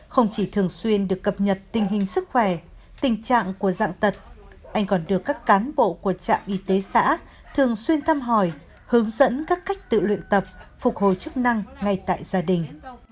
không chỉ thường xuyên được cập nhật tình hình sức khỏe tình trạng của dạng tật anh còn được các cán bộ của trạm y tế xã thường xuyên thăm hỏi hướng dẫn các cách tự luyện tập phục hồi chức năng ngay tại gia đình